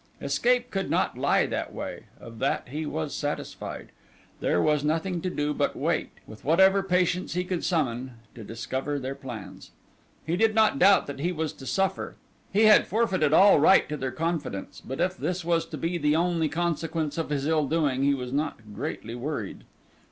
Escape could not lie that way; of that he was satisfied. There was nothing to do but to wait, with whatever patience he could summon, to discover their plans. He did not doubt that he was to suffer. He had forfeited all right to their confidence, but if this was to be the only consequence of his ill doing he was not greatly worried.